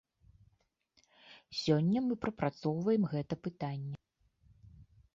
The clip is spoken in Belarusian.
Сёння мы прапрацоўваем гэта пытанне.